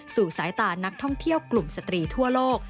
สายตานักท่องเที่ยวกลุ่มสตรีทั่วโลก